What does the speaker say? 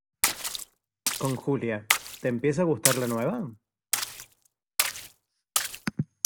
con Julia, te empieza a gustar la nueva?